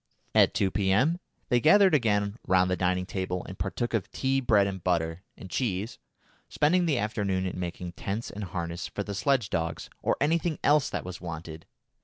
At 2 P.M. they gathered again round the dining table and partook of tea, bread and butter, and cheese, spending the afternoon in making tents and harness for the sledge dogs, or anything else that was wanted.